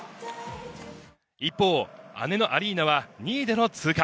一方、姉のアリーナは２での通過。